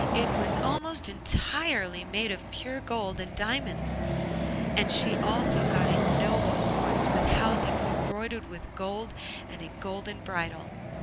It was almost entirely made of pure gold and diamonds, and she also got a noble horse with housings embroidered with gold, and a golden bridle.